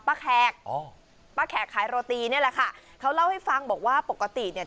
แขกอ๋อป้าแขกขายโรตีนี่แหละค่ะเขาเล่าให้ฟังบอกว่าปกติเนี่ย